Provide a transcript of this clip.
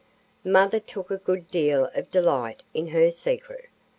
Mother took a good deal of delight in her secret.